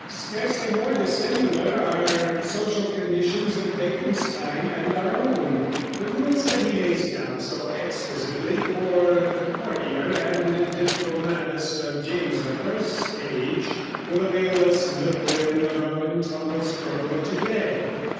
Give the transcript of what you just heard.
Scarcely more dissimilar are the social conditions of Bacon's time and our own; the rules that he lays down so exquisitely for the courtier and diplomatist of James the First's age will avail us little in the rough and tumble struggle of today.